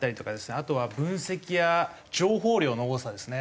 あとは分析や情報量の多さですね。